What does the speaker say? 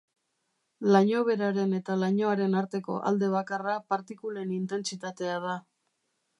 Lainoberaren eta lainoaren arteko alde bakarra partikulen intentsitatea da